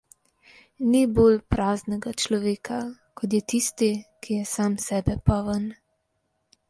Ni bolj praznega človeka, kot je tisti, ki je sam sebe poln.